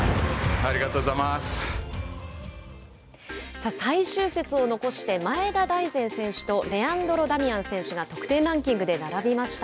さあ、最終節を残して前田大然選手とレアンドロ・ダミアン選手が得点ランキングで並びました。